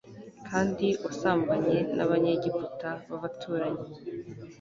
Kandi wasambanye n Abanyegiputa b abaturanyi